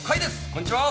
こんにちは。